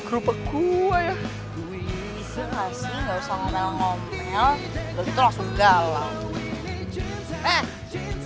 terus lu langsung galau